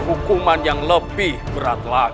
hukuman yang lebih berat lagi